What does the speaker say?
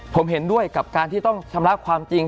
ผมเห็นด้วยกับการที่ต้องชำระความจริง